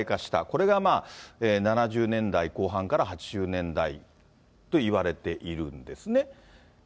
これがまあ、７０年代後半から８０年代といわれているんですね。